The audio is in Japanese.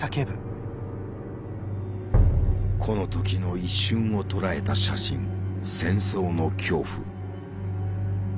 この時の一瞬を捉えた写真「戦争の恐怖」。